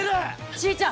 ちーちゃん！